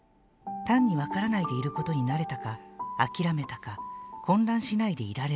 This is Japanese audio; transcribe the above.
単に、わからないでいることに慣れたか、諦めたか、混乱しないでいられるだけだ。